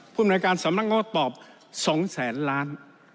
ผู้บริการสำนักงบตอบ๒แสนล้าน